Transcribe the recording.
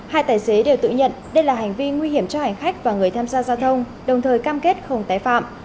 hai tài xế đều tự nhận đây là hành vi nguy hiểm cho hành khách và người tham gia giao thông đồng thời cam kết không tái phạm